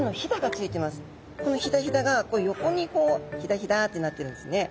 このヒダヒダが横にヒダヒダってなってるんですね。